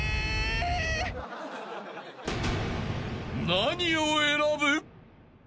［何を選ぶ？］